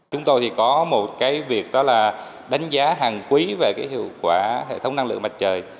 chúng tôi có một việc đánh giá hàng quý về hiệu quả hệ thống năng lượng mặt trời